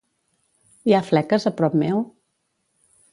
Hi ha fleques a prop meu?